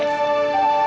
aku ingin mencobanya